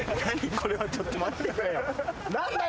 これはちょっと待ってくれよ。